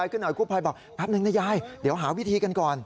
กูภัยบอกแป๊บหนึ่งนะยายเดี๋ยวหาวิธีกันก่อน